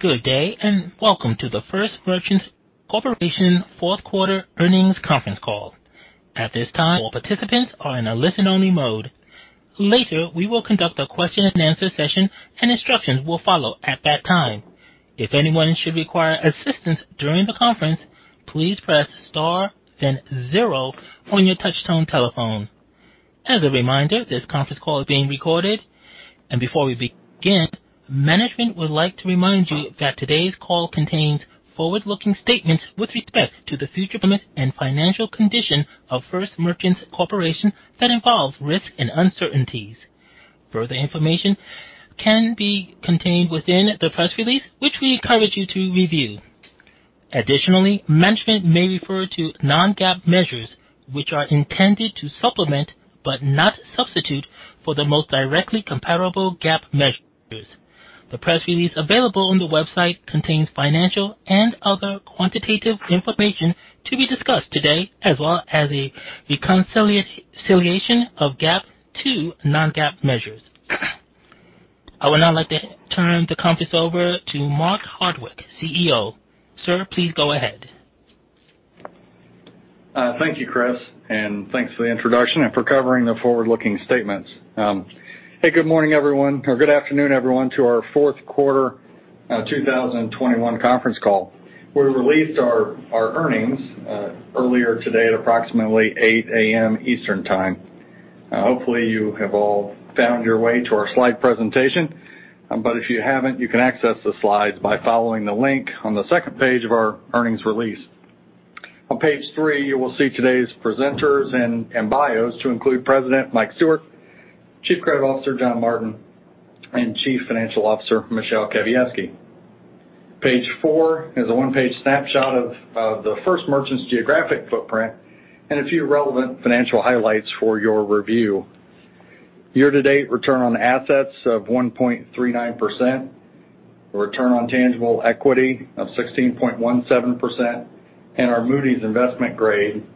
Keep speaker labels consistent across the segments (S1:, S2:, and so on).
S1: Good day, and welcome to the First Merchants Corporation fourth quarter earnings conference call. At this time, all participants are in a listen-only mode. Later, we will conduct a question-and-answer session, and instructions will follow at that time. If anyone should require assistance during the conference, please press star then zero on your touch-tone telephone. As a reminder, this conference call is being recorded. Before we begin, management would like to remind you that today's call contains forward-looking statements with respect to the future and financial condition of First Merchants Corporation that involves risks and uncertainties. Further information can be contained within the press release, which we encourage you to review. Additionally, management may refer to non-GAAP measures, which are intended to supplement, but not substitute, for the most directly comparable GAAP measures. The press release available on the website contains financial and other quantitative information to be discussed today, as well as a reconciliation of GAAP to non-GAAP measures. I would now like to turn the conference over to Mark Hardwick, CEO. Sir, please go ahead.
S2: Thank you, Chris, and thanks for the introduction and for covering the forward-looking statements. Hey, good morning, everyone, or good afternoon, everyone, to our fourth quarter 2021 conference call. We released our earnings earlier today at approximately 8:00 A.M. Eastern Time. Hopefully, you have all found your way to our slide presentation. If you haven't, you can access the slides by following the link on the second page of our earnings release. On page three, you will see today's presenters and bios to include President, Mike Stewart, Chief Credit Officer, John Martin, and Chief Financial Officer, Michele Kawiecki. Page four is a one-page snapshot of the First Merchants geographic footprint and a few relevant financial highlights for your review. Year-to-date return on assets of 1.39%, a return on tangible equity of 16.17%, and our Moody's investment grade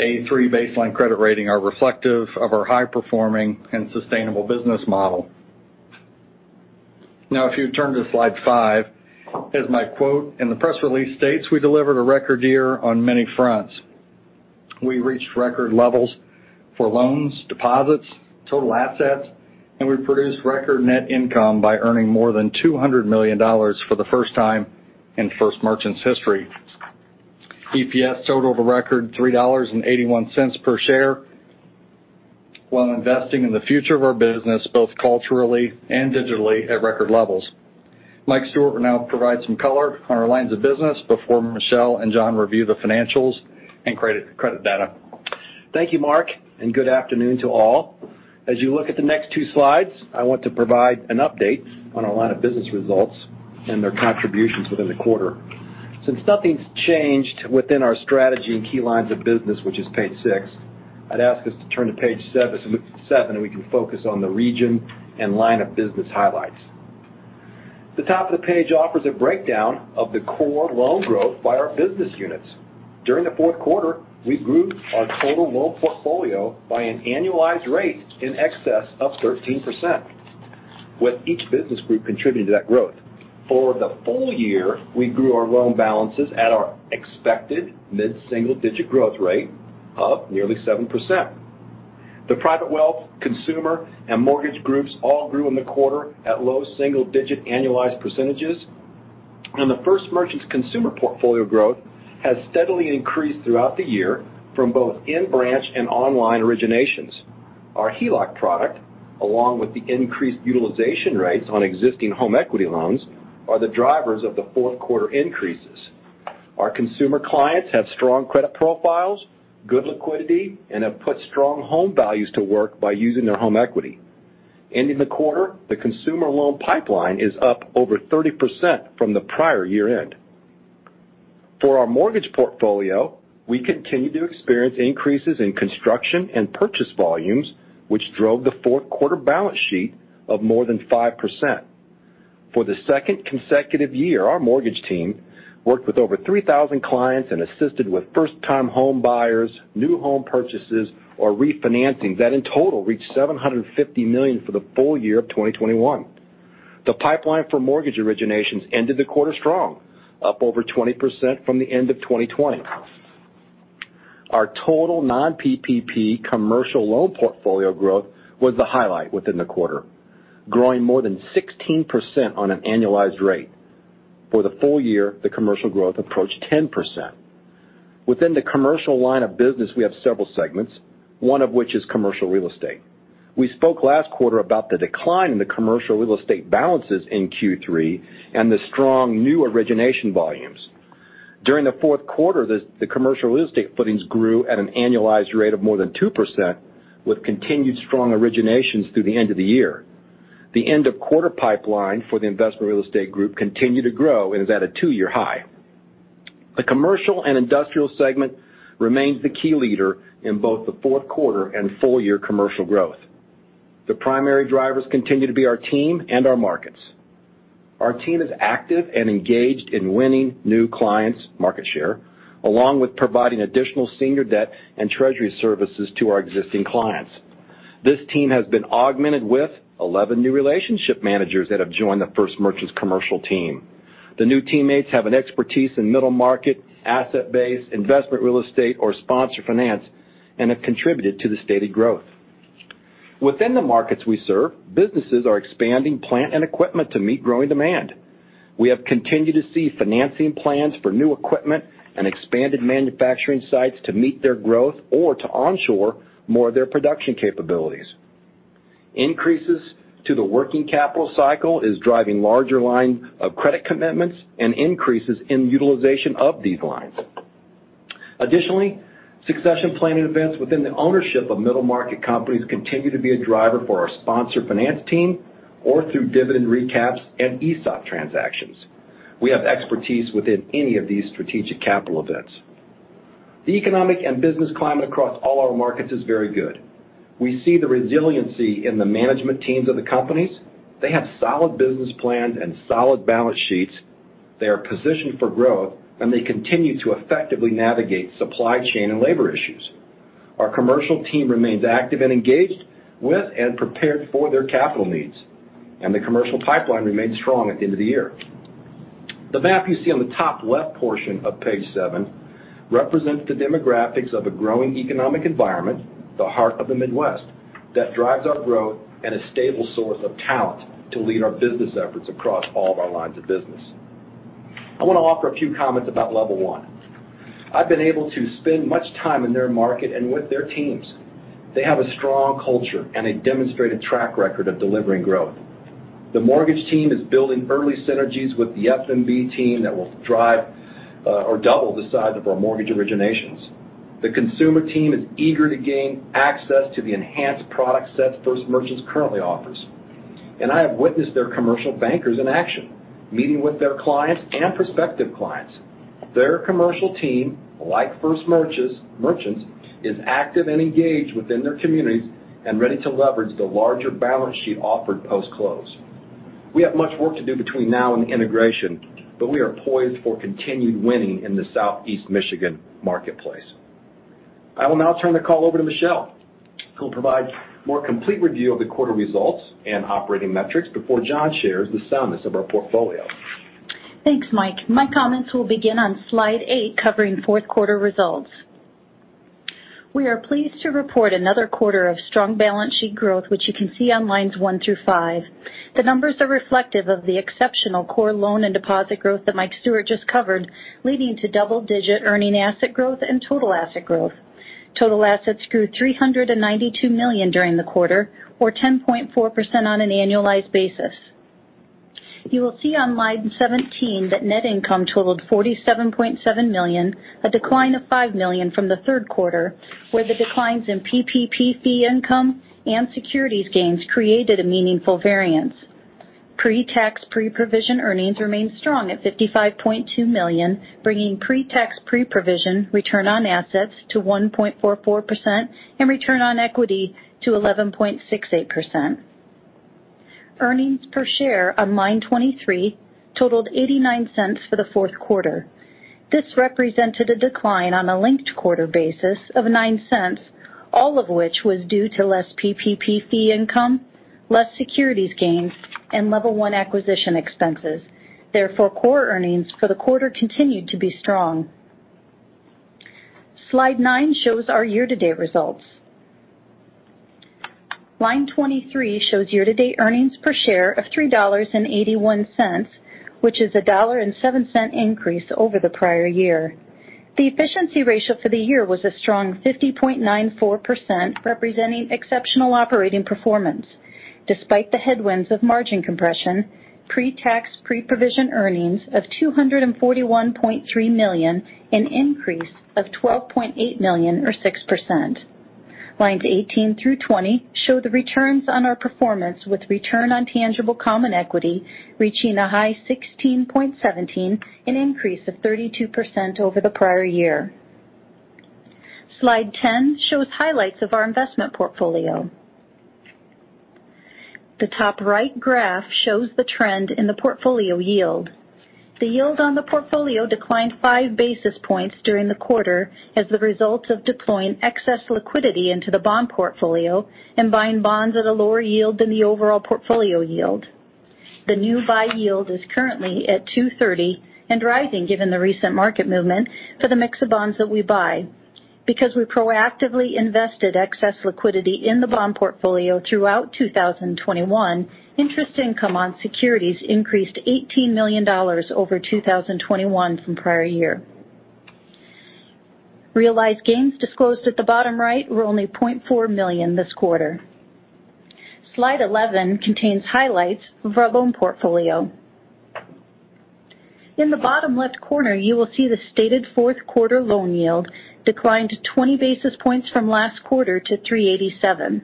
S2: a3 baseline credit rating are reflective of our high-performing and sustainable business model. Now, if you turn to slide five, as my quote in the press release states, we delivered a record year on many fronts. We reached record levels for loan balances, deposits, total assets, and we produced record net income by earning more than $200 million for the first time in First Merchants history. EPS totaled a record $3.81 per share, while investing in the future of our business, both culturally and digitally at record levels. Mike Stewart will now provide some color on our lines of business before Michele and John review the financials and credit data.
S3: Thank you, Mark, and good afternoon to all. As you look at the next two slides, I want to provide an update on our line of business results and their contributions within the quarter. Since nothing's changed within our strategy and key lines of business, which is page six, I'd ask us to turn to page seven so we can focus on the region and line of business highlights. The top of the page offers a breakdown of the core loan growth by our business units. During the fourth quarter, we grew our total loan portfolio by an annualized rate in excess of 13%, with each business group contributing to that growth. For the full year, we grew our loan balances at our expected mid-single-digit growth rate of nearly 7%. The Private Wealth, Consumer, and Mortgage groups all grew in the quarter at low single-digit annualized percentages. The First Merchants Consumer portfolio growth has steadily increased throughout the year from both in-branch and online originations. Our HELOC product, along with the increased utilization rates on existing home equity loans, are the drivers of the fourth quarter increases. Our Consumer clients have strong credit profiles, good liquidity, and have put strong home values to work by using their home equity. Ending the quarter, the Consumer loan pipeline is up over 30% from the prior year-end. For our Mortgage portfolio, we continue to experience increases in construction and purchase volumes, which drove the fourth quarter balance growth of more than 5%. For the second consecutive year, our Mortgage team worked with over 3,000 clients and assisted with first-time home buyers, new home purchases or refinancing that in total reached $750 million for the full year of 2021. The pipeline for Mortgage originations ended the quarter strong, up over 20% from the end of 2020. Our total non-PPP Commercial loan portfolio growth was the highlight within the quarter, growing more than 16% on annualized rate. For the full year, the commercial growth approached 10%. Within the Commercial line of business, we have several segments, one of which is Commercial Real Estate. We spoke last quarter about the decline in the Commercial Real Estate balances in Q3 and the strong new origination volumes. During the fourth quarter, the Commercial Real Estate footings grew at an annualized rate of more than 2%, with continued strong originations through the end of the year. The end-of-quarter pipeline for the Investment Real Estate group continued to grow and is at a two-year high. The Commercial and Industrial segment remains the key leader in both the fourth quarter and full-year commercial growth. The primary drivers continue to be our team and our markets. Our team is active and engaged in winning new clients market share, along with providing additional senior debt and treasury services to our existing clients. This team has been augmented with 11 new relationship managers that have joined the First Merchants Commercial team. The new teammates have an expertise in middle market, asset-based, investment real estate, or sponsor finance, and have contributed to the steady growth. Within the markets we serve, businesses are expanding plant and equipment to meet growing demand. We have continued to see financing plans for new equipment and expanded manufacturing sites to meet their growth or to onshore more of their production capabilities. Increases to the working capital cycle is driving larger lines of credit commitments and increases in utilization of these lines. Additionally, succession planning events within the ownership of middle-market companies continue to be a driver for our sponsor finance team or through dividend recaps and ESOP transactions. We have expertise within any of these strategic capital events. The economic and business climate across all our markets is very good. We see the resiliency in the management teams of the companies. They have solid business plans and solid balance sheets. They are positioned for growth, and they continue to effectively navigate supply chain and labor issues. Our Commercial team remains active and engaged with and prepared for their capital needs, and the commercial pipeline remains strong at the end of the year. The map you see on the top left portion of page seven represents the demographics of a growing economic environment, the heart of the Midwest, that drives our growth and a stable source of talent to lead our business efforts across all of our lines of business. I want to offer a few comments about Level One. I've been able to spend much time in their market and with their teams. They have a strong culture and a demonstrated track record of delivering growth. The Mortgage team is building early synergies with the FMB team that will drive or double the size of our Mortgage originations. The Consumer team is eager to gain access to the enhanced product sets First Merchants currently offers. I have witnessed their commercial bankers in action, meeting with their clients and prospective clients. Their Commercial team, like First Merchants, is active and engaged within their communities and ready to leverage the larger balance sheet offered post-close. We have much work to do between now and the integration, but we are poised for continued winning in the Southeast Michigan marketplace. I will now turn the call over to Michele, who'll provide more complete review of the quarter results and operating metrics before John shares the soundness of our portfolio.
S4: Thanks, Mike. My comments will begin on slide eight, covering fourth quarter results. We are pleased to report another quarter of strong balance sheet growth, which you can see on lines one through five. The numbers are reflective of the exceptional core loan and deposit growth that Mike Stewart just covered, leading to double-digit earning asset growth and total asset growth. Total assets grew $392 million during the quarter, or 10.4% on an annualized basis. You will see on line 17 that net income totaled $47.7 million, a decline of $5 million from the third quarter, where the declines in PPP fee income and securities gains created a meaningful variance. Pre-tax, pre-provision earnings remained strong at $55.2 million, bringing pre-tax, pre-provision return on assets to 1.44% and return on equity to 11.68%. Earnings per share on line 23 totaled $0.89 per share for the fourth quarter. This represented a decline on a linked-quarter basis of $0.09, all of which was due to less PPP fee income, less securities gains, and Level One acquisition expenses. Therefore, core earnings for the quarter continued to be strong. Slide nine shows our year-to-date results. Line 23 shows year-to-date earnings per share of $3.81, which is a $1.07 increase over the prior year. The efficiency ratio for the year was a strong 50.94%, representing exceptional operating performance. Despite the headwinds of margin compression, pre-tax, pre-provision earnings of $241.3 million, an increase of $12.8 million or 6%. Lines 18 through 20 show the returns on our performance, with return on tangible common equity reaching a high 16.17%, an increase of 32% over the prior year. Slide 10 shows highlights of our investment portfolio. The top right graph shows the trend in the portfolio yield. The yield on the portfolio declined 5 basis points during the quarter as the result of deploying excess liquidity into the bond portfolio and buying bonds at a lower yield than the overall portfolio yield. The new buy yield is currently at 2.30% and rising given the recent market movement for the mix of bonds that we buy. Because we proactively invested excess liquidity in the bond portfolio throughout 2021, interest income on securities increased $18 million over 2021 from prior year. Realized gains disclosed at the bottom right were only $0.4 million this quarter. Slide 11 contains highlights of our loan portfolio. In the bottom left corner, you will see the stated fourth quarter loan yield declined 20 basis points from last quarter to 3.87%.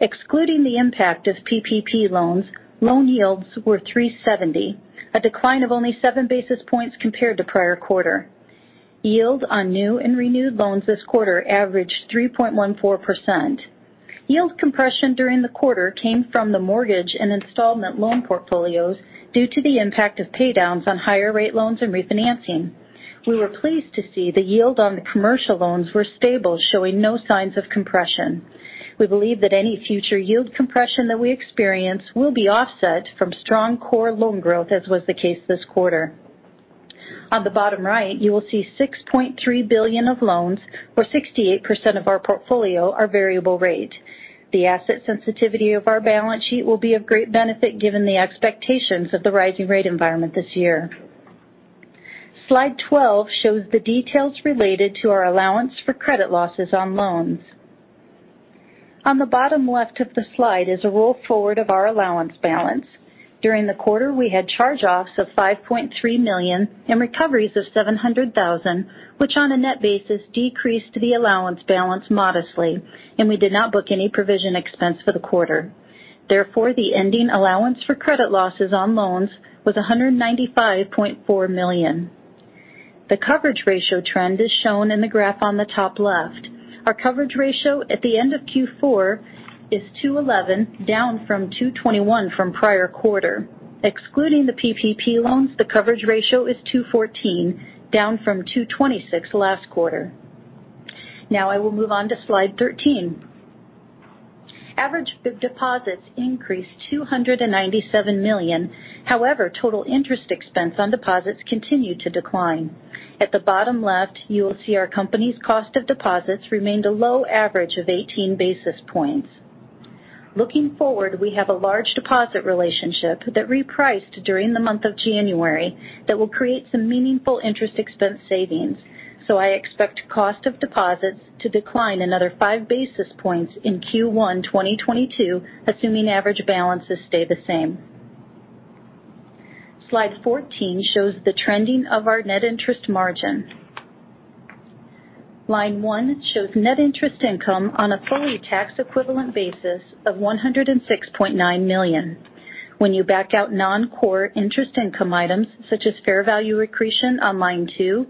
S4: Excluding the impact of PPP loans, loan yields were 3.70%, a decline of only 7 basis points compared to prior quarter. Yield on new and renewed loans this quarter averaged 3.14%. Yield compression during the quarter came from the Mortgage and Installment loan portfolios due to the impact of paydowns on higher rate loans and refinancing. We were pleased to see the yield on the commercial loans were stable, showing no signs of compression. We believe that any future yield compression that we experience will be offset from strong core loan growth, as was the case this quarter. On the bottom right, you will see $6.3 billion of loans, where 68% of our portfolio are variable rate. The asset sensitivity of our balance sheet will be of great benefit given the expectations of the rising rate environment this year. Slide 12 shows the details related to our allowance for credit losses on loans. On the bottom left of the slide is a roll forward of our allowance balance. During the quarter, we had charge-offs of $5.3 million and recoveries of $700,000, which on a net basis decreased the allowance balance modestly, and we did not book any provision expense for the quarter. Therefore, the ending allowance for credit losses on loans was $195.4 million. The coverage ratio trend is shown in the graph on the top left. Our coverage ratio at the end of Q4 is 2.11%, down from 2.21% from prior quarter. Excluding the PPP loans, the coverage ratio is 2.14%, down from 2.26% last quarter. Now I will move on to slide 13. Average deposits increased $297 million. However, total interest expense on deposits continued to decline. At the bottom left, you will see our company's cost of deposits remained a low average of 18 basis points. Looking forward, we have a large deposit relationship that repriced during the month of January that will create some meaningful interest expense savings. I expect cost of deposits to decline another 5 basis points in Q1 2022, assuming average balances stay the same. Slide 14 shows the trending of our net interest margin. Line one shows net interest income on a fully tax equivalent basis of $106.9 million. When you back out non-core interest income items such as fair value accretion on line two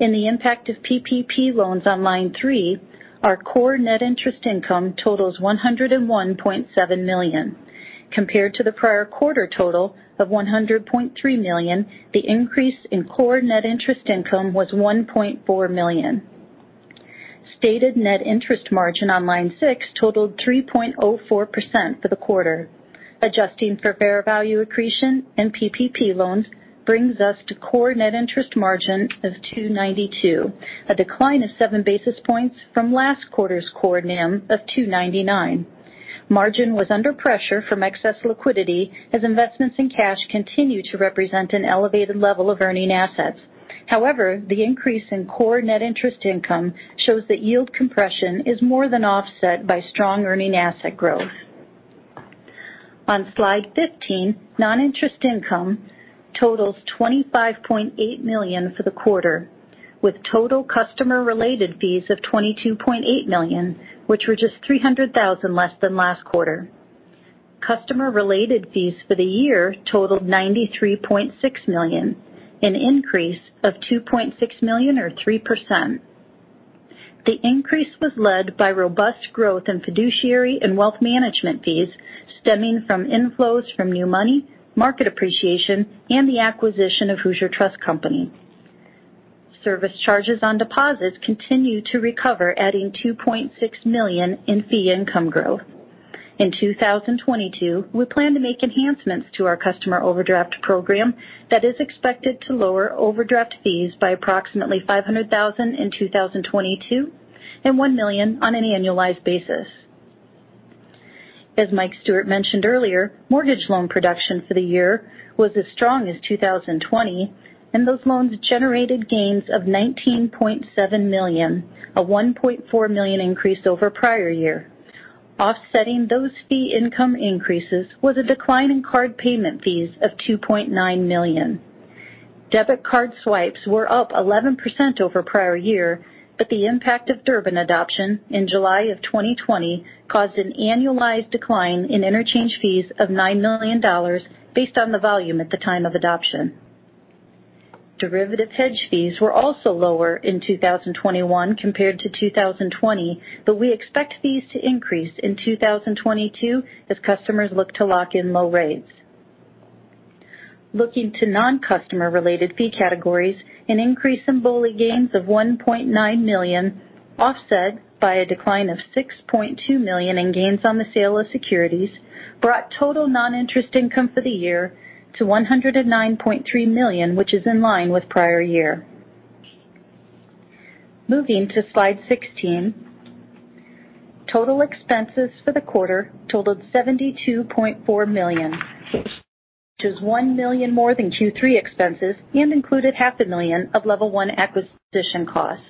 S4: and the impact of PPP loans on line three, our core net interest income totals $101.7 million. Compared to the prior quarter total of $100.3 million, the increase in core net interest income was $1.4 million. Stated net interest margin on line six totaled 3.04% for the quarter. Adjusting for fair value accretion and PPP loans brings us to core net interest margin of 2.92%, a decline of seven basis points from last quarter's core NIM of 2.99%. Margin was under pressure from excess liquidity as investments in cash continued to represent an elevated level of earning assets. However, the increase in core net interest income shows that yield compression is more than offset by strong earning asset growth. On slide 15, non-interest income totals $25.8 million for the quarter, with total customer-related fees of $22.8 million, which were just $300,000 less than last quarter. Customer-related fees for the year totaled $93.6 million, an increase of $2.6 million or 3%. The increase was led by robust growth in fiduciary and wealth management fees stemming from inflows from new money, market appreciation, and the acquisition of Hoosier Trust Company. Service charges on deposits continued to recover, adding $2.6 million in fee income growth. In 2022, we plan to make enhancements to our customer overdraft program that is expected to lower overdraft fees by approximately $500,000 in 2022 and $1 million on an annualized basis. As Mike Stewart mentioned earlier, mortgage loan production for the year was as strong as 2020, and those loans generated gains of $19.7 million, a $1.4 million increase over prior year. Offsetting those fee income increases was a decline in card payment fees of $2.9 million. Debit card swipes were up 11% over prior year, but the impact of Durbin adoption in July of 2020 caused an annualized decline in interchange fees of $9 million based on the volume at the time of adoption. Derivative hedge fees were also lower in 2021 compared to 2020, but we expect these to increase in 2022 as customers look to lock in low rates. Looking to non-customer related fee categories, an increase in BOLI gains of $1.9 million, offset by a decline of $6.2 million in gains on the sale of securities, brought total non-interest income for the year to $109.3 million, which is in line with prior year. Moving to slide 16, total expenses for the quarter totaled $72.4 million, which is $1 million more than Q3 expenses and included $0.5 million of Level One acquisition costs.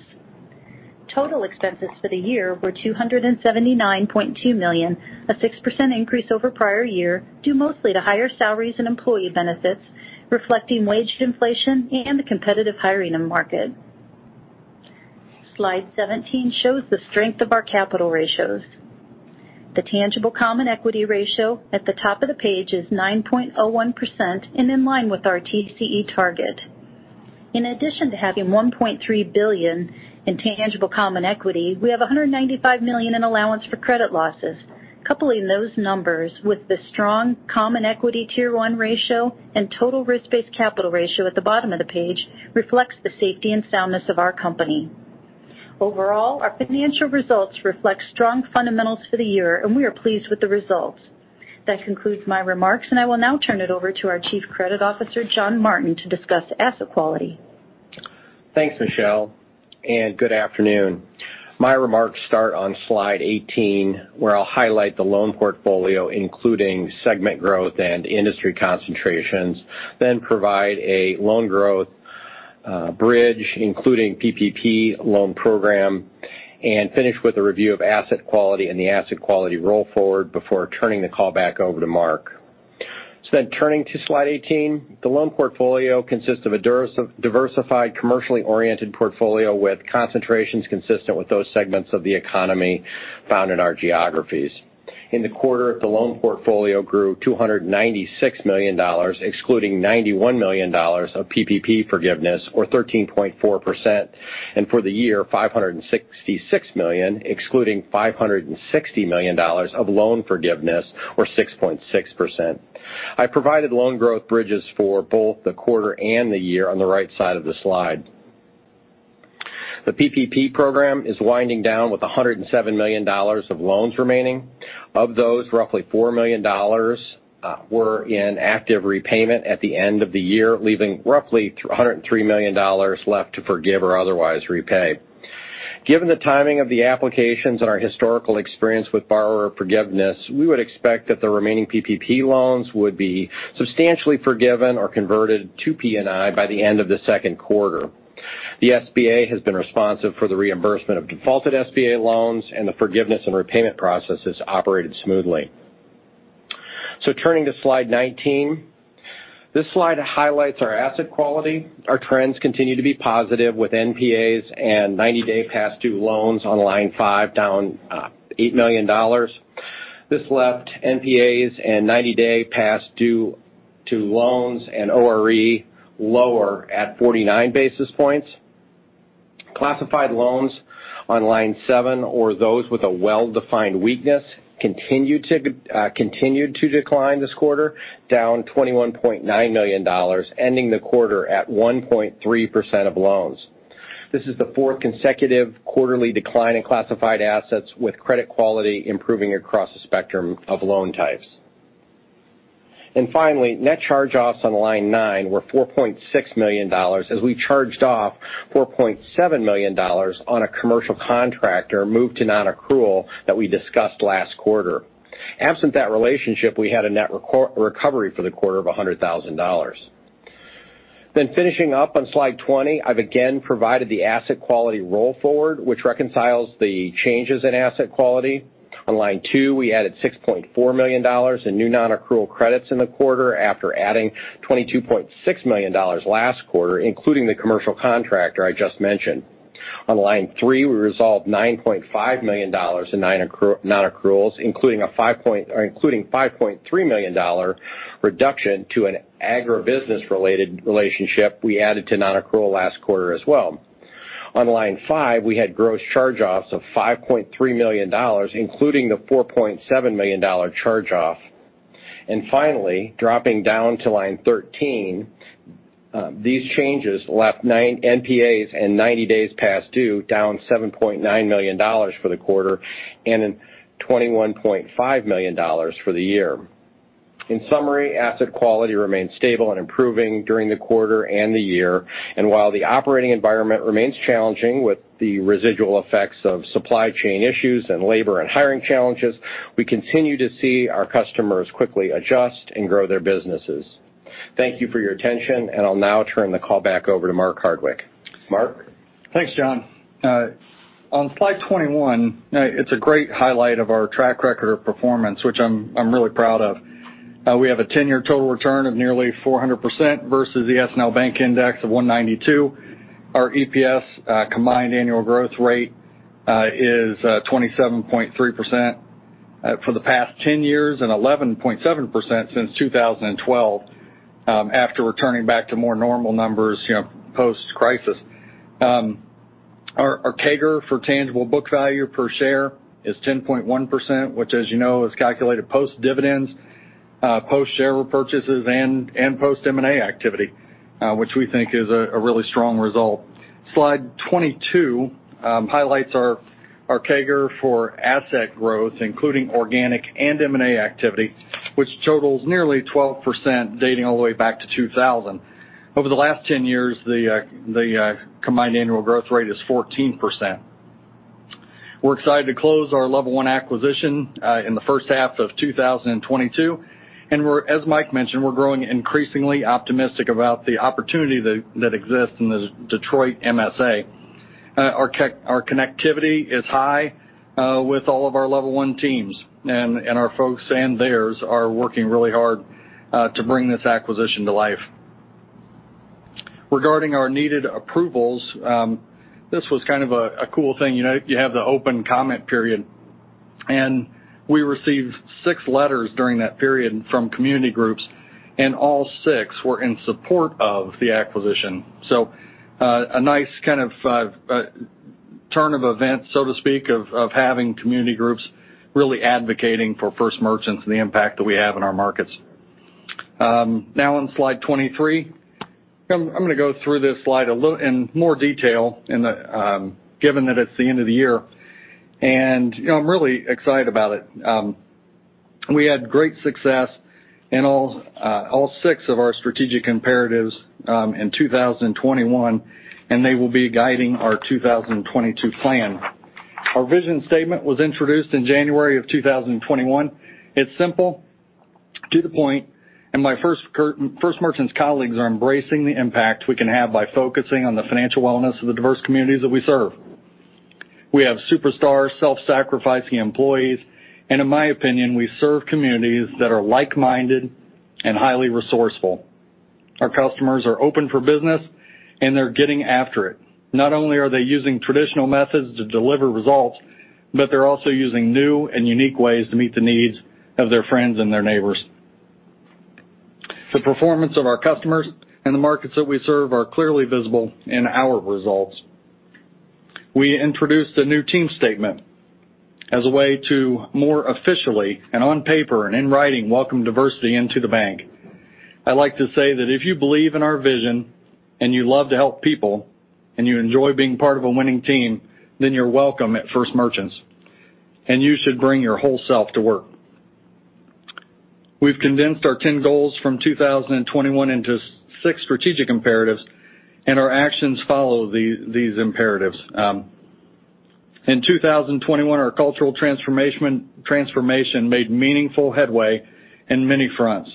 S4: Total expenses for the year were $279.2 million, a 6% increase over prior year, due mostly to higher salaries and employee benefits, reflecting wage inflation and the competitive hiring in the market. Slide 17 shows the strength of our capital ratios. The tangible common equity ratio at the top of the page is 9.01% and in line with our TCE target. In addition to having $1.3 billion in tangible common equity, we have $195 million in allowance for credit losses. Coupling those numbers with the strong common equity Tier 1 ratio and total risk-based capital ratio at the bottom of the page reflects the safety and soundness of our company. Overall, our financial results reflect strong fundamentals for the year, and we are pleased with the results. That concludes my remarks, and I will now turn it over to our Chief Credit Officer, John Martin, to discuss asset quality.
S5: Thanks, Michele, and good afternoon. My remarks start on slide 18, where I'll highlight the loan portfolio, including segment growth and industry concentrations, then provide a loan growth bridge, including PPP loan program, and finish with a review of asset quality and the asset quality roll forward before turning the call back over to Mark. Turning to slide 18, the loan portfolio consists of a diversified, commercially-oriented portfolio with concentrations consistent with those segments of the economy found in our geographies. In the quarter, the loan portfolio grew $296 million, excluding $91 million of PPP forgiveness, or 13.4%, and for the year, $566 million, excluding $560 million of loan forgiveness or 6.6%. I provided loan growth bridges for both the quarter and the year on the right side of the slide. The PPP program is winding down with $107 million of loans remaining. Of those, roughly $4 million were in active repayment at the end of the year, leaving roughly $103 million left to forgive or otherwise repay. Given the timing of the applications and our historical experience with borrower forgiveness, we would expect that the remaining PPP loans would be substantially forgiven or converted to P&I by the end of the second quarter. The SBA has been responsive for the reimbursement of defaulted SBA loans and the forgiveness and repayment processes operated smoothly. Turning to slide 19. This slide highlights our asset quality. Our trends continue to be positive with NPAs and 90-day past due loans on line five, down $8 million. This left NPAs and 90-day past due loans and ORE lower at 49 basis points. Classified loans on line seven, or those with a well-defined weakness, continued to decline this quarter, down $21.9 million, ending the quarter at 1.3% of loans. This is the fourth consecutive quarterly decline in classified assets with credit quality improving across the spectrum of loan types. Finally, net charge-offs on line nine were $4.6 million as we charged off $4.7 million on a commercial contractor moved to non-accrual that we discussed last quarter. Absent that relationship, we had a net recovery for the quarter of $100,000. Finishing up on slide 20, I've again provided the asset quality roll forward, which reconciles the changes in asset quality. On line two, we added $6.4 million in new non-accrual credits in the quarter after adding $22.6 million last quarter, including the commercial contractor I just mentioned. On line three, we resolved $9.5 million in nine non-accruals, including $5.3 million reduction to an agribusiness-related relationship we added to non-accrual last quarter as well. On line five, we had gross charge-offs of $5.3 million, including the $4.7 million charge-off. Finally, dropping down to line 13, these changes left nine NPAs and 90 days past due down $7.9 million for the quarter and $21.5 million for the year. In summary, asset quality remained stable and improving during the quarter and the year. While the operating environment remains challenging with the residual effects of supply chain issues and labor and hiring challenges, we continue to see our customers quickly adjust and grow their businesses. Thank you for your attention, and I'll now turn the call back over to Mark Hardwick. Mark?
S2: Thanks, John. On slide 21, it's a great highlight of our track record of performance, which I'm really proud of. We have a 10-year total return of nearly 400% versus the SNL Bank Index of 192. Our EPS compound annual growth rate is 27.3% for the past 10 years and 11.7% since 2012, after returning back to more normal numbers, you know, post-crisis. Our CAGR for tangible book value per share is 10.1% which as you know is calculated post-dividends, post-share repurchases, and post-M&A activity, which we think is a really strong result. Slide 22 highlights our CAGR for asset growth, including organic and M&A activity, which totals nearly 12% dating all the way back to 2000. Over the last 10 years, the combined annual growth rate is 14%. We're excited to close our Level One acquisition in the first half of 2022. We're, as Mike mentioned, growing increasingly optimistic about the opportunity that exists in the Detroit MSA. Our connectivity is high with all of our Level One teams and our folks and theirs are working really hard to bring this acquisition to life. Regarding our needed approvals, this was kind of a cool thing. You know, you have the open comment period, and we received six letters during that period from community groups. All six were in support of the acquisition. A nice kind of turn of events, so to speak, of having community groups really advocating for First Merchants and the impact that we have in our markets. Now on slide 23, I'm gonna go through this slide a little in more detail given that it's the end of the year. You know, I'm really excited about it. We had great success in all six of our strategic imperatives in 2021, and they will be guiding our 2022 plan. Our vision statement was introduced in January 2021. It's simple, to the point, and my First Merchants colleagues are embracing the impact we can have by focusing on the financial wellness of the diverse communities that we serve. We have superstar, self-sacrificing employees, and in my opinion, we serve communities that are like-minded and highly resourceful. Our customers are open for business, and they're getting after it. Not only are they using traditional methods to deliver results, but they're also using new and unique ways to meet the needs of their friends and their neighbors. The performance of our customers and the markets that we serve are clearly visible in our results. We introduced a new team statement as a way to more officially, and on paper and in writing, welcome diversity into the bank. I like to say that if you believe in our vision and you love to help people and you enjoy being part of a winning team, then you're welcome at First Merchants, and you should bring your whole self to work. We've condensed our ten goals from 2021 into six strategic imperatives, and our actions follow these imperatives. In 2021, our cultural transformation made meaningful headway in many fronts.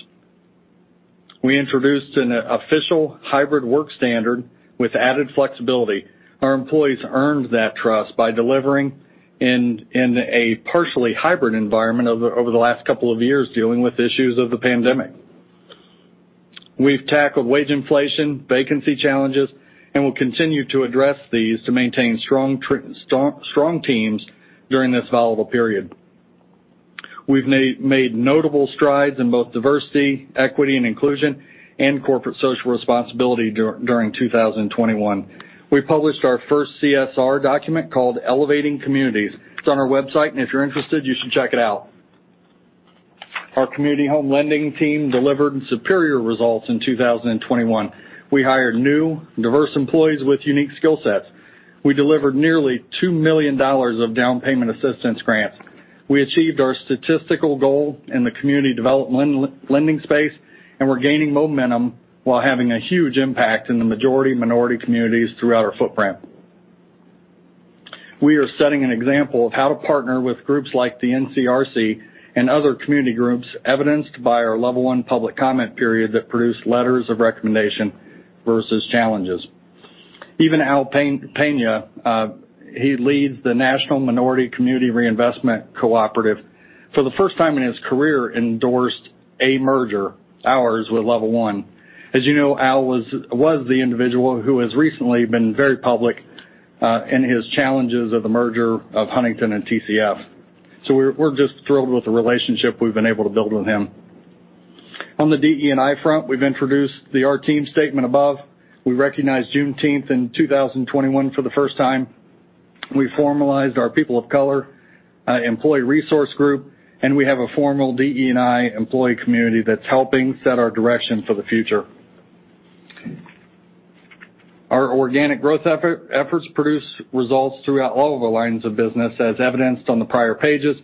S2: We introduced an official hybrid work standard with added flexibility. Our employees earned that trust by delivering in a partially hybrid environment over the last couple of years, dealing with issues of the pandemic. We've tackled wage inflation, vacancy challenges, and will continue to address these to maintain strong teams during this volatile period. We've made notable strides in both diversity, equity, and inclusion, and corporate social responsibility during 2021. We published our first CSR document called Elevating Communities. It's on our website, and if you're interested, you should check it out. Our community home lending team delivered superior results in 2021. We hired new diverse employees with unique skill sets. We delivered nearly $2 million of down payment assistance grants. We achieved our statistical goal in the community development lending space, and we're gaining momentum while having a huge impact in the majority minority communities throughout our footprint. We are setting an example of how to partner with groups like the NCRC and other community groups, evidenced by our Level One public comment period that produced letters of recommendation versus challenges. Even Al Piña, he leads the National Minority Community Reinvestment Co-Operative, for the first time in his career, endorsed a merger, ours, with Level One. As you know, Al was the individual who has recently been very public in his challenges of the merger of Huntington and TCF. We're just thrilled with the relationship we've been able to build with him. On the DE&I front, we've introduced the Our Team statement above. We recognized Juneteenth in 2021 for the first time. We formalized our People of Color Employee Resource Group, and we have a formal DE&I employee community that's helping set our direction for the future. Our organic growth efforts produce results throughout all of the lines of business, as evidenced on the prior pages,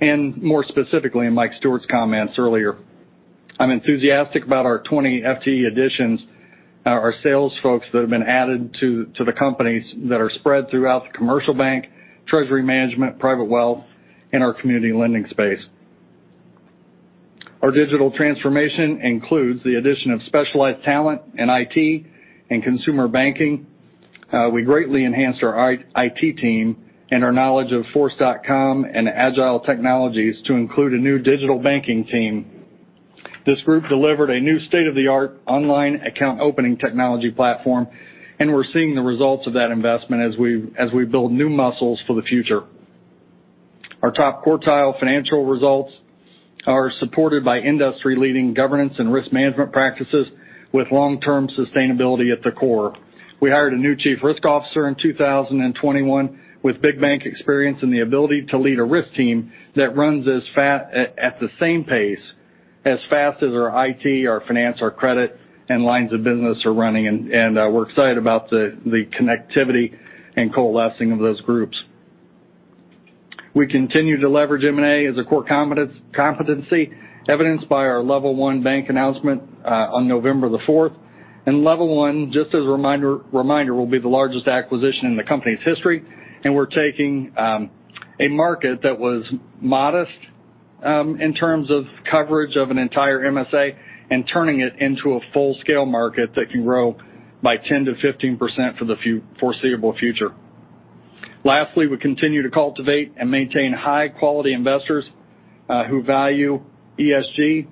S2: and more specifically in Mike Stewart's comments earlier. I'm enthusiastic about our 20 FTE additions, our sales folks that have been added to the companies that are spread throughout the commercial bank, treasury management, private wealth, and our community lending space. Our digital transformation includes the addition of specialized talent in IT and consumer banking. We greatly enhanced our IT team and our knowledge of Force.com and Agile technologies to include a new digital banking team. This group delivered a new state-of-the-art online account opening technology platform, and we're seeing the results of that investment as we build new muscles for the future. Our top quartile financial results are supported by industry-leading governance and risk management practices with long-term sustainability at the core. We hired a new Chief Risk Officer in 2021 with big bank experience and the ability to lead a risk team that runs at the same pace as fast as our IT, our finance, our credit, and lines of business are running. We're excited about the connectivity and coalescing of those groups. We continue to leverage M&A as a core competency, evidenced by our Level One Bancorp announcement on November 4. Level One Bancorp, just as a reminder, will be the largest acquisition in the company's history, and we're taking a market that was modest in terms of coverage of an entire MSA and turning it into a full-scale market that can grow by 10%-15% for the foreseeable future. Lastly, we continue to cultivate and maintain high-quality investors, who value ESG,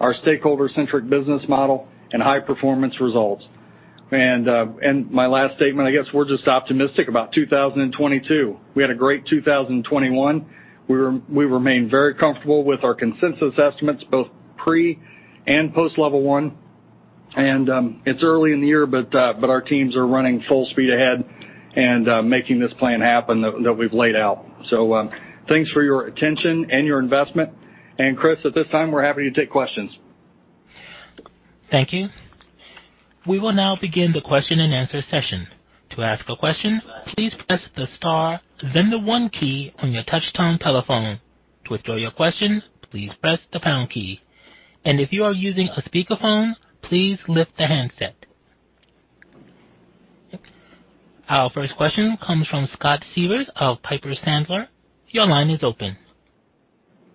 S2: our stakeholder-centric business model, and high-performance results. My last statement, I guess we're just optimistic about 2022. We had a great 2021. We remain very comfortable with our consensus estimates, both pre and post Level One. It's early in the year, but our teams are running full speed ahead and making this plan happen that we've laid out. Thanks for your attention and your investment. Chris, at this time, we're happy to take questions.
S1: Thank you. We will now begin the question-and-answer session. To ask a question, please press the star then the one key on your touch-tone telephone. To withdraw your questions, please press the pound key. If you are using a speakerphone, please lift the handset. Our first question comes from Scott Siefers of Piper Sandler. Your line is open.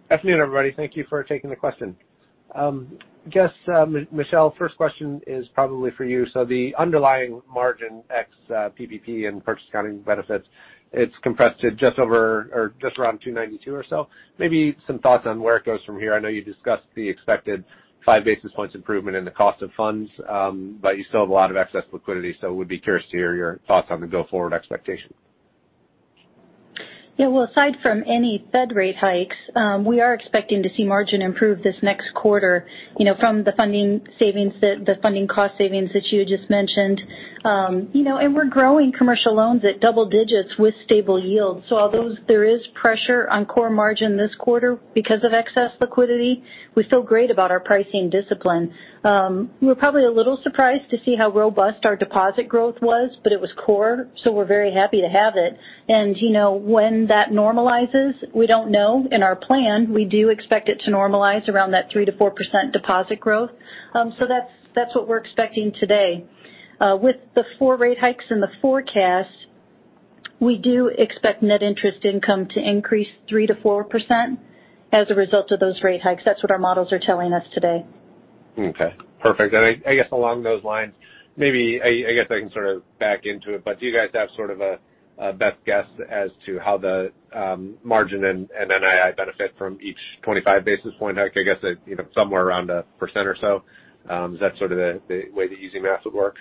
S6: Good afternoon, everybody. Thank you for taking the question. I guess, Michele, first question is probably for you. The underlying margin ex PPP and purchase accounting benefits, it's compressed to just over or just around 2.92% or so. Maybe some thoughts on where it goes from here. I know you discussed the expected 5 basis points improvement in the cost of funds, but you still have a lot of excess liquidity. Would be curious to hear your thoughts on the go-forward expectation.
S4: Yeah. Well, aside from any Fed rate hikes, we are expecting to see margin improve this next quarter, you know, from the funding cost savings that you just mentioned. You know, we're growing commercial loans at double digits with stable yields. Although there is pressure on core margin this quarter because of excess liquidity, we feel great about our pricing discipline. We're probably a little surprised to see how robust our deposit growth was, but it was core, so we're very happy to have it. You know, when that normalizes, we don't know. In our plan, we do expect it to normalize around that 3%-4% deposit growth. That's what we're expecting today. With the four rate hikes in the forecast, we do expect net interest income to increase 3%-4% as a result of those rate hikes. That's what our models are telling us today.
S6: Okay. Perfect. I guess along those lines, maybe I guess I can sort of back into it, but do you guys have sort of a best guess as to how the margin and NII benefit from each 25 basis point hike? I guess, you know, somewhere around 1% or so. Is that sort of the way the easy math would work?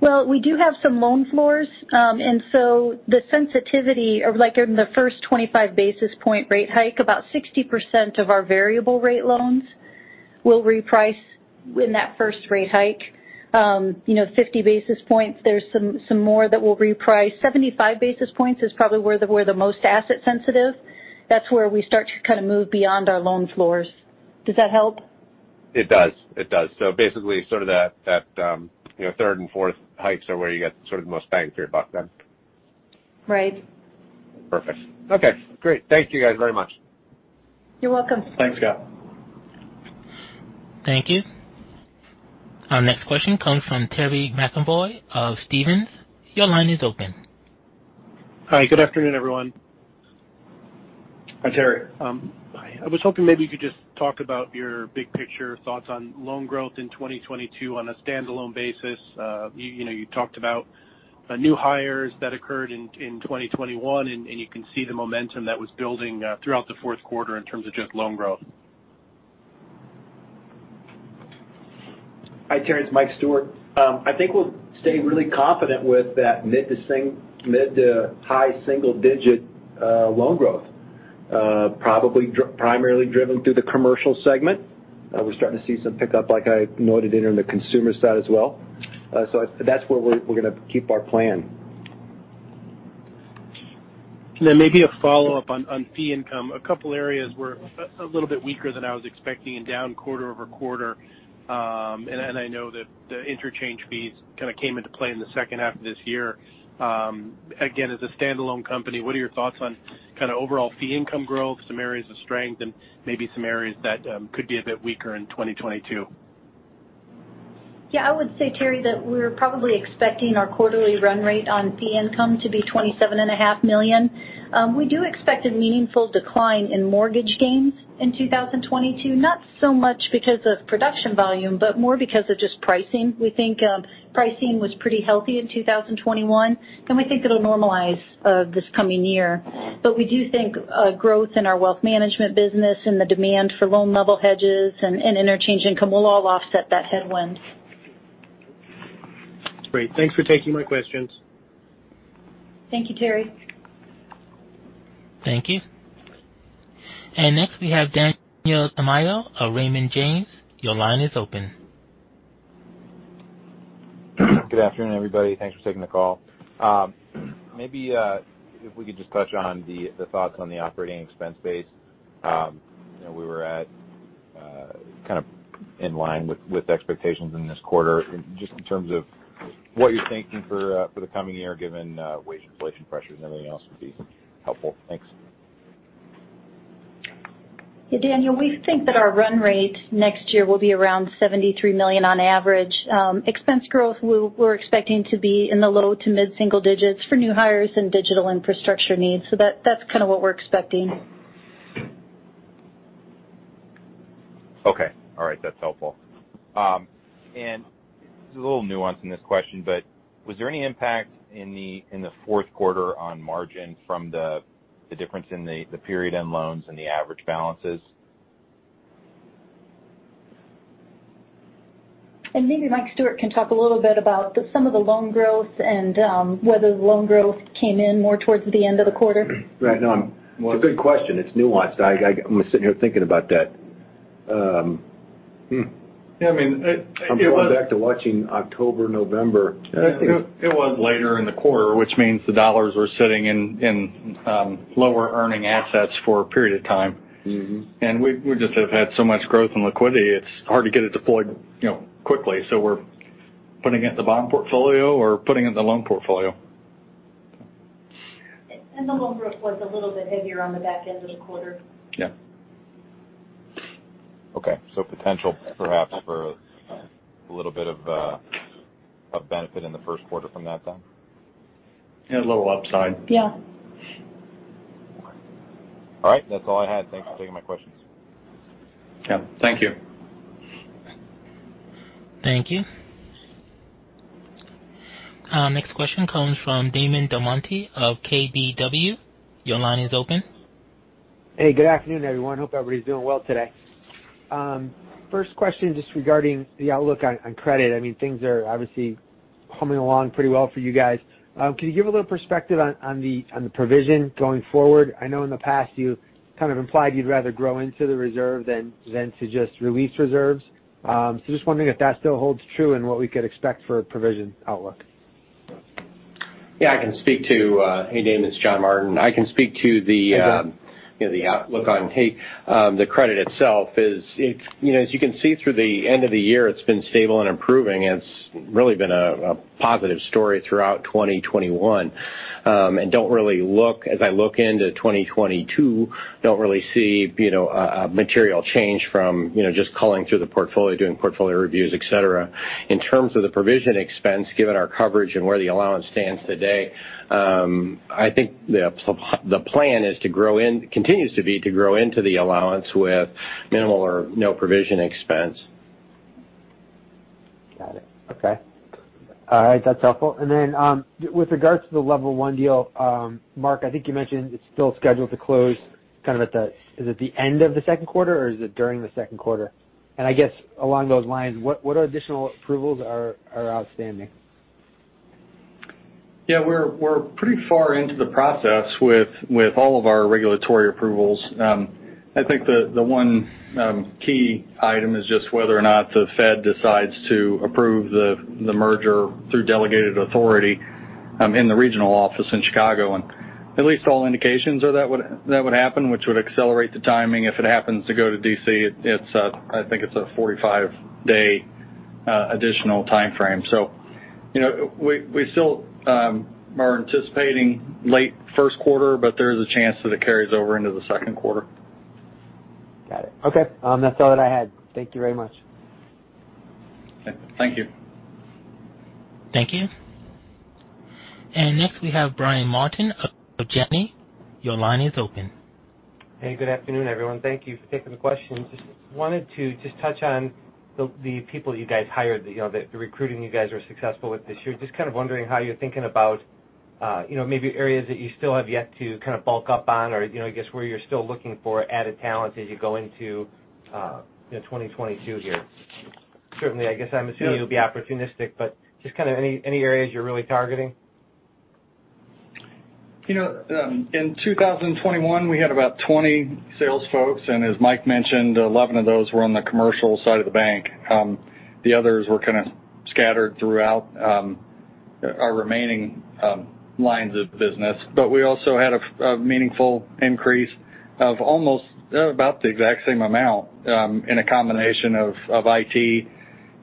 S4: Well, we do have some loan floors. The sensitivity of like in the first 25 basis point rate hike, about 60% of our variable rate loans will reprice in that first rate hike. You know, 50 basis points, there's some more that will reprice. 75 basis points is probably where we're the most asset sensitive. That's where we start to kind of move beyond our loan floors. Does that help?
S6: It does. Basically sort of that, you know, third and fourth hikes are where you get sort of the most bang for your buck then.
S4: Right.
S6: Perfect. Okay, great. Thank you guys very much.
S4: You're welcome.
S2: Thanks, Scott.
S1: Thank you. Our next question comes from Terry McEvoy of Stephens. Your line is open.
S7: Hi, good afternoon, everyone.
S2: Hi, Terry.
S7: I was hoping maybe you could just talk about your big picture thoughts on loan growth in 2022 on a standalone basis. You know, you talked about new hires that occurred in 2021, and you can see the momentum that was building throughout the fourth quarter in terms of just loan growth.
S3: Hi, Terry. It's Mike Stewart. I think we'll stay really confident with that mid- to high-single-digit loan growth, probably primarily driven through the Commercial segment. We're starting to see some pickup, like I noted, in the Consumer side as well. That's where we're gonna keep our plan.
S7: Maybe a follow-up on fee income. A couple areas were a little bit weaker than I was expecting and down quarter-over-quarter. I know that the interchange fees kind of came into play in the second half of this year. Again, as a standalone company, what are your thoughts on kind of overall fee income growth, some areas of strength and maybe some areas that could be a bit weaker in 2022?
S4: Yeah, I would say, Terry, that we're probably expecting our quarterly run rate on fee income to be $27.5 million. We do expect a meaningful decline in mortgage gains in 2022, not so much because of production volume, but more because of just pricing. We think, pricing was pretty healthy in 2021, and we think it'll normalize, this coming year. We do think, growth in our Wealth Management business and the demand for loan level hedges and interchange income will all offset that headwind.
S7: Great. Thanks for taking my questions.
S4: Thank you, Terry.
S1: Thank you. Next, we have Daniel Tamayo of Raymond James. Your line is open.
S8: Good afternoon, everybody. Thanks for taking the call. Maybe if we could just touch on the thoughts on the operating expense base. You know, we were at kind of in line with expectations in this quarter. Just in terms of what you're thinking for the coming year, given wage inflation pressures and everything else would be helpful. Thanks.
S4: Yeah, Daniel, we think that our run rate next year will be around $73 million on average. Expense growth, we're expecting to be in the low- to mid-single digits for new hires and digital infrastructure needs. That, that's kind of what we're expecting.
S8: Okay. All right. That's helpful. And there's a little nuance in this question, but was there any impact in the fourth quarter on margin from the difference in the period end loans and the average balances?
S4: Maybe Mike Stewart can talk a little bit about some of the loan growth and whether the loan growth came in more towards the end of the quarter.
S5: Right. No. It's a good question. It's nuanced. I'm sitting here thinking about that.
S2: Yeah, I mean, it was—
S5: I'm going back to watching October, November.
S2: It was later in the quarter, which means the dollars were sitting in lower earning assets for a period of time. We just have had so much growth and liquidity, it's hard to get it deployed, you know, quickly. We're putting it in the bond portfolio or putting it in the loan portfolio.
S4: The loan growth was a little bit heavier on the back end of the quarter.
S2: Yeah.
S8: Potential perhaps for a little bit of benefit in the first quarter from that then?
S2: Yeah, a little upside.
S4: Yeah.
S8: All right. That's all I had. Thanks for taking my questions.
S2: Yeah, thank you.
S1: Thank you. Next question comes from Damon DelMonte of KBW. Your line is open.
S9: Hey, good afternoon, everyone. Hope everybody's doing well today. First question just regarding the outlook on credit. I mean, things are obviously humming along pretty well for you guys. Can you give a little perspective on the provision going forward? I know in the past you kind of implied you'd rather grow into the reserve than to just release reserves. Just wondering if that still holds true and what we could expect for a provision outlook.
S5: Hey, Damon, it's John Martin. I can speak to the—
S9: Hi, John.
S5: You know, the outlook on the credit itself is, you know, as you can see through the end of the year, it's been stable and improving, and it's really been a positive story throughout 2021. As I look into 2022, I don't really see, you know, a material change from, you know, just culling through the portfolio, doing portfolio reviews, et cetera. In terms of the provision expense, given our coverage and where the allowance stands today, I think the plan continues to be to grow into the allowance with minimal or no provision expense.
S9: Got it. Okay. All right. That's helpful. Then, with regards to the Level One deal, Mark, I think you mentioned it's still scheduled to close kind of at the, is it the end of the second quarter, or is it during the second quarter? I guess along those lines, what additional approvals are outstanding?
S2: Yeah. We're pretty far into the process with all of our regulatory approvals. I think the one key item is just whether or not the Fed decides to approve the merger through delegated authority in the regional office in Chicago. At least all indications are that would happen, which would accelerate the timing. If it happens to go to D.C., I think it's a 45-day additional timeframe. You know, we still are anticipating late first quarter, but there is a chance that it carries over into the second quarter.
S9: Got it. Okay. That's all that I had. Thank you very much.
S2: Okay. Thank you.
S1: Thank you. Next, we have Brian Martin of Janney. Your line is open.
S10: Hey, good afternoon, everyone. Thank you for taking the questions. Just wanted to touch on the people you guys hired, you know, the recruiting you guys were successful with this year. Just kind of wondering how you're thinking about, you know, maybe areas that you still have yet to kind of bulk up on or, you know, I guess, where you're still looking for added talent as you go into, you know, 2022 here. Certainly, I guess I'm assuming that you'll be opportunistic, but just kind of any areas you're really targeting?
S2: You know, in 2021, we had about 20 sales folks, and as Mike mentioned, 11 of those were on the commercial side of the bank. The others were kind of scattered throughout our remaining lines of business. We also had a meaningful increase of almost about the exact same amount in a combination of IT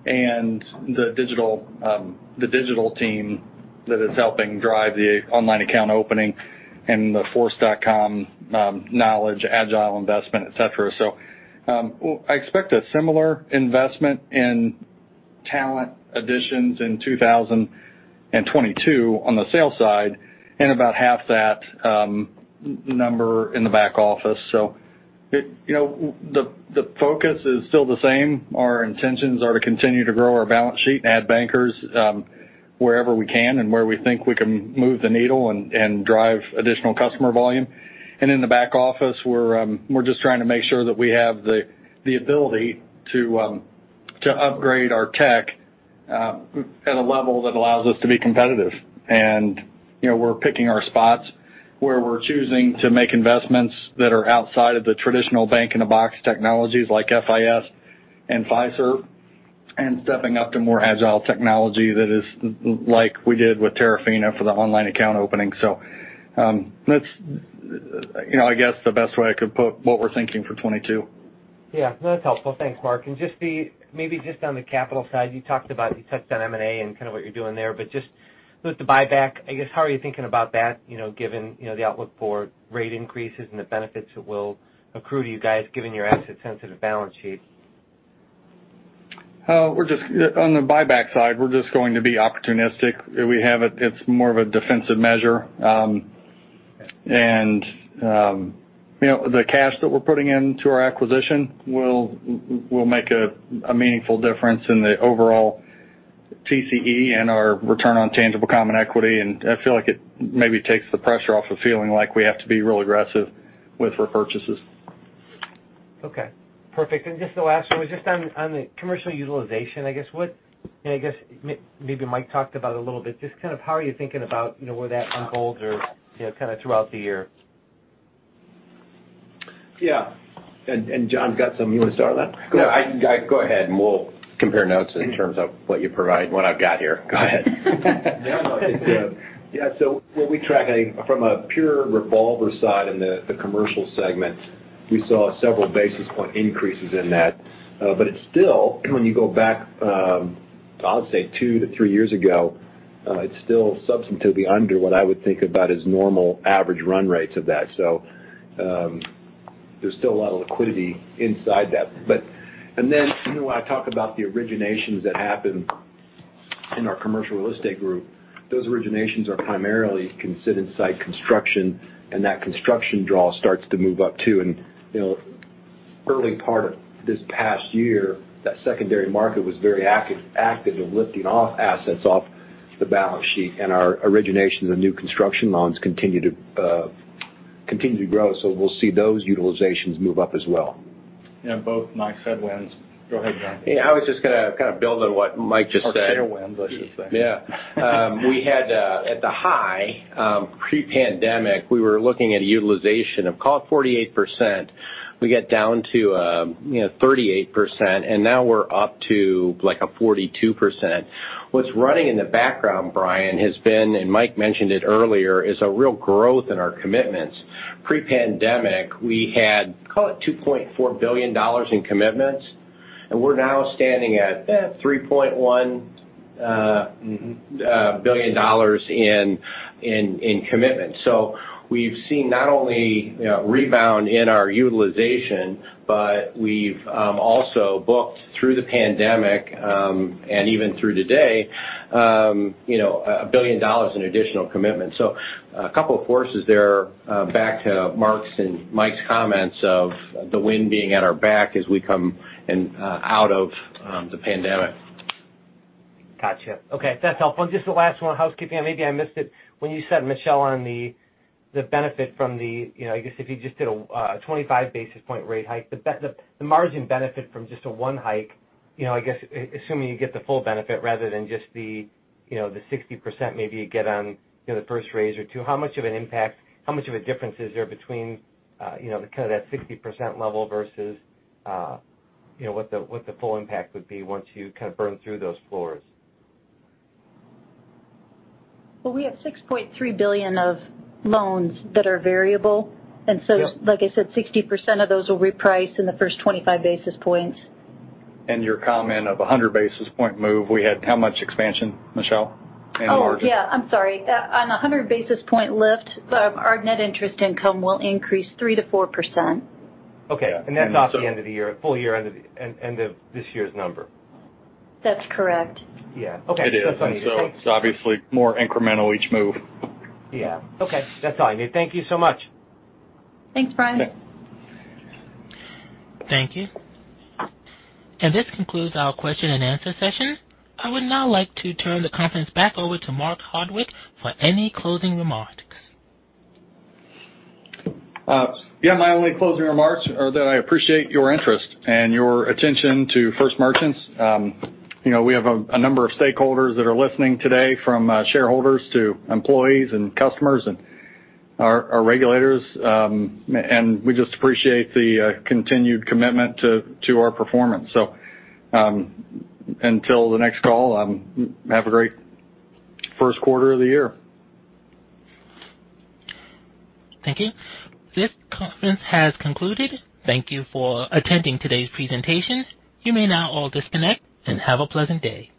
S2: and the digital team that is helping drive the online account opening and the Force.com knowledge, Agile investment, etc. I expect a similar investment in talent additions in 2022 on the sales side and about half that number in the back office. You know, the focus is still the same. Our intentions are to continue to grow our balance sheet, add bankers wherever we can and where we think we can move the needle and drive additional customer volume. In the back office, we're just trying to make sure that we have the ability to upgrade our tech at a level that allows us to be competitive. You know, we're picking our spots where we're choosing to make investments that are outside of the traditional bank-in-a-box technologies like FIS and Fiserv, and stepping up to more Agile technology that is like we did with Terafina for the online account opening. That's, you know, I guess the best way I could put what we're thinking for 2022.
S10: Yeah. No, that's helpful. Thanks, Mark. Maybe just on the capital side, you talked about, you touched on M&A and kind of what you're doing there, but just with the buyback, I guess, how are you thinking about that, you know, given, you know, the outlook for rate increases and the benefits that will accrue to you guys given your asset sensitive balance sheet?
S2: We're just on the buyback side, we're just going to be opportunistic. It's more of a defensive measure. You know, the cash that we're putting into our acquisition will make a meaningful difference in the overall TCE and our return on tangible common equity. I feel like it maybe takes the pressure off of feeling like we have to be real aggressive with repurchases.
S10: Okay, perfect. Just the last one was just on the commercial utilization, I guess, what, and I guess maybe Mike talked about a little bit, just kind of how are you thinking about, you know, where that unfolds or, you know, kind of throughout the year?
S3: Yeah. John's got some. You wanna start on that?
S5: No, go ahead, and we'll compare notes in terms of what you provide and what I've got here. Go ahead.
S3: What we track, I think from a pure revolver side in the Commercial segment, we saw several-basis-point increases in that. It's still, when you go back, I'll say two to three years ago, it's still substantively under what I would think about as normal average run rates of that. There's still a lot of liquidity inside that. You know, I talk about the originations that happen in our Commercial Real Estate group. Those originations are primarily considered site construction, and that construction draw starts to move up too. You know, early part of this past year, that secondary market was very active in lifting off assets off the balance sheet. Our originations and new construction loans continue to grow. We'll see those utilizations move up as well.
S2: Yeah, both, as Mike said, wins. Go ahead, John.
S5: Yeah, I was just gonna kind of build on what Mike just said.
S3: Sure, wins, I should say.
S5: Yeah. We had, at the high, pre-pandemic, we were looking at a utilization of call it 48%. We got down to, you know, 38%, and now we're up to like a 42%. What's running in the background, Brian, has been, and Mike mentioned it earlier, is a real growth in our commitments. Pre-pandemic, we had, call it $2.4 billion in commitments, and we're now standing at $3.1 billion in commitments. We've seen not only, you know, rebound in our utilization, but we've also booked through the pandemic and even through today, you know, $1 billion in additional commitments. A couple of forces there, back to Mark's and Mike's comments of the wind being at our back as we come out of the pandemic.
S10: Gotcha. Okay, that's helpful. Just the last one, housekeeping, and maybe I missed it. When you said, Michele, on the benefit from the, you know, I guess if you just did a 25 basis point rate hike, the margin benefit from just a one hike, you know, I guess assuming you get the full benefit rather than just the, you know, the 60% maybe you get on, you know, the first raise or two, how much of an impact, how much of a difference is there between, you know, kind of that 60% level versus, you know, what the full impact would be once you kind of burn through those floors?
S4: Well, we have $6.3 billion of loans that are variable.
S10: Yeah.
S2: Like I said, 60% of those will reprice in the first 25 basis points.
S5: Your comment of a 100 basis point move, we had how much expansion, Michele, in the market?
S4: Oh, yeah, I'm sorry. On a 100 basis point lift, our net interest income will increase 3%-4%.
S10: Okay.
S3: Yeah.
S10: That's off the end of the year, full year end of this year's number?
S2: That's correct.
S10: Yeah. Okay.
S3: It is.
S10: That's what I need to thank you.
S3: It's obviously more incremental each move.
S10: Yeah. Okay. That's all I need. Thank you so much.
S4: Thanks, Brian.
S3: Yeah.
S1: Thank you. This concludes our question-and-answer session. I would now like to turn the conference back over to Mark Hardwick for any closing remarks.
S2: Yeah, my only closing remarks are that I appreciate your interest and your attention to First Merchants. You know, we have a number of stakeholders that are listening today, from shareholders to employees and customers and our regulators. We just appreciate the continued commitment to our performance. Until the next call, have a great first quarter of the year.
S1: Thank you. This conference has concluded. Thank you for attending today's presentation. You may now all disconnect and have a pleasant day.